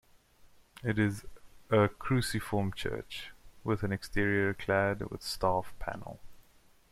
It is a cruciform church, with an exterior clad with staff panel.